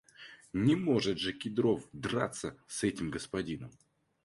Не может же Кедров драться с этим господином!